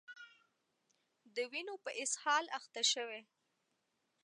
د وینو په اسهال اخته شوي